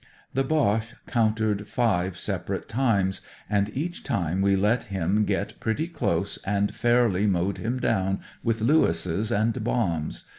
"The Boche countered five separate times, and each time we let him get pretty close and fairly mowed him down with Lewis's and bombs.